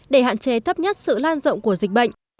để hạn chế thấp nhất sự lan rộng của dịch bệnh